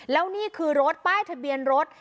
แล้วนี่คือรถป้ายทะเบียนรถ